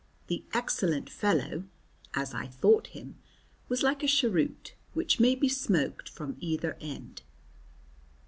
The excellent fellow (as I thought him) was like a cheroot which may be smoked from either end.